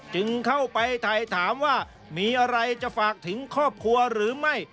จึงเข้าไปถ่ายถามว่ามีอะไรจะฝากถึงครอบครัวหรือไม่